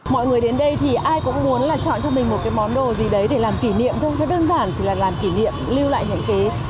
mọi người đến đây thì ai cũng muốn là chọn cho mình một cái món đồ gì đấy để làm kỷ niệm thôi đơn giản chỉ là làm kỷ niệm lưu lại những cái